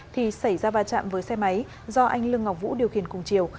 thì xảy ra va chạm với xe máy do anh lương ngọc vũ điều khiển cùng chiều